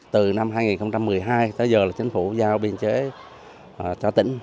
từ năm hai nghìn một mươi hai tới giờ là chính phủ giao biên chế cho tỉnh